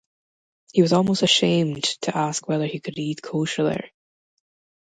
He was almost ashamed to ask whether he could eat kosher there.